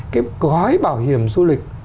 cái gói bảo hiểm du lịch